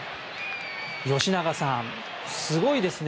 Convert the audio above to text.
吉永さん、すごいですね。